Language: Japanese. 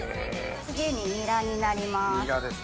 次にニラになります。